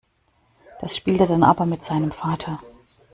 Das spielt er dann aber mit seinem Vater.